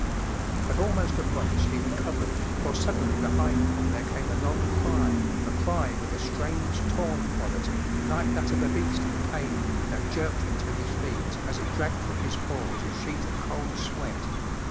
But almost at once he recovered, for suddenly behind him there came a long cry, a cry with a strange, tom quality, like that of a beast in pain, that jerked him to his feet as it dragged from his pores a sheet of cold sweat.